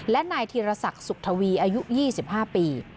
และนายธีรศักดิ์สุขทวีอายุ๒๕ปี